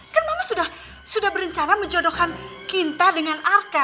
kan mama sudah berencana menjodohkan cinta dengan arka